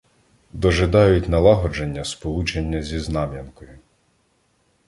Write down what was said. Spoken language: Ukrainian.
Дожидають налагодження сполучення зі Знам’янкою.